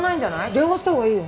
電話したほうがいいよ。